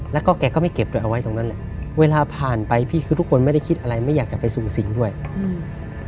แล้วก็แกก็ไม่เก็บด้วยเอาไว้ตรงนั้นแหละเวลาผ่านไปพี่คือทุกคนไม่ได้คิดอะไรไม่อยากจะไปสู่สิ่งด้วยอืม